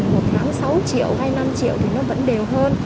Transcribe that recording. một tháng sáu triệu hay năm triệu thì nó vẫn đều hơn